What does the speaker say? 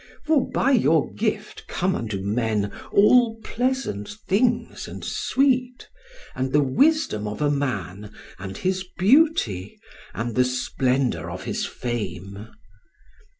For by your gift come unto men all pleasant things and sweet, and the wisdom of a man and his beauty, and the splendour of his fame.